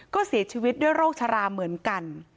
ก็เสียชีวิตด้วยโรคชะลาเหมือนกัน